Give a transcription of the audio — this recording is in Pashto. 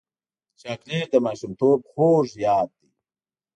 چاکلېټ د ماشومتوب خوږ یاد دی.